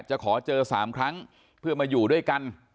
จะขอเจอ๓ครั้งเพื่อมาอยู่ด้วยกัน